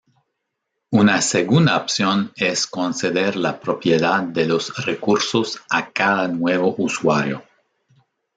Una segunda opción es conceder la propiedad de los recursos a cada nuevo usuario.